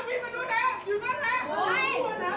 เอาให้พังหรือไหมวันเนี้ย